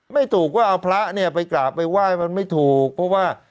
ไม่ถูกก็เอาพระไปกราบไปว่ายมันไม่ถูกเพราะว่า